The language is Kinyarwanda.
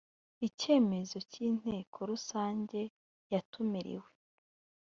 icyemezo cy inteko rusange yatumiriwe